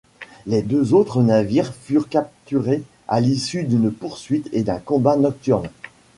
Les deux autres navires furent capturés à l'issue d'une poursuite et d'un combat nocturne.